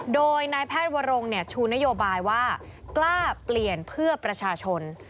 โดยนายแพทย์วรงชูนโยบายว่ากล้าเปลี่ยนเพื่อประชาชน